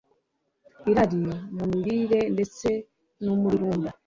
Irari mu mirire ndetse numururumba